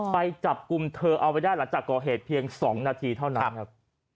ไปจับกลุ่มเธอเอาไว้ได้หลังจากก่อเหตุเพียง๒นาทีเท่านั้นครับ